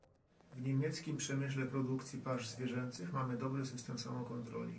W niemieckim przemyśle produkcji pasz zwierzęcych mamy dobry system samokontroli